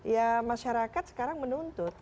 ya masyarakat sekarang menuntut